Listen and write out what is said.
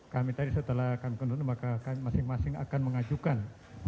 kami tadi setelah kami kendun maka kami masing masing akan mengajukan